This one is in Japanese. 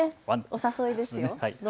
お誘いですよ。